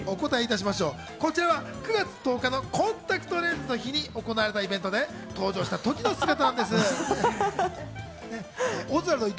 こちらは９月１０日のコンタクトレンズの日に行われたイベントに登場したときの姿なんです。